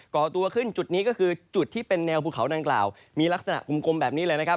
่อตัวขึ้นจุดนี้ก็คือจุดที่เป็นแนวภูเขาดังกล่าวมีลักษณะกลมแบบนี้เลยนะครับ